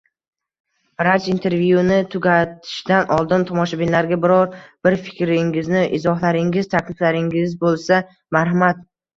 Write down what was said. Raj, intervyuni tugatishdan oldin, tomoshabinlarga biror bir fikrlaringiz, izohlaringiz, takliflaringiz boʻlsa, marhamat.